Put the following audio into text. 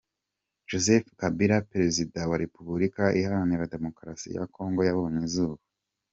Joseph Kabila, perezida wa Repubulika iharanira Demokarasi ya Kongo yabonye izuba.